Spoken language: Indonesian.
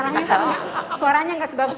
masalahnya suaranya gak sebagus